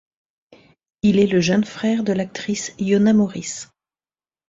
Il est le jeune frère de l'actrice Iona Morris.